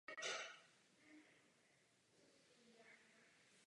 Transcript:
Proč bylo její jméno vyškrtnuto?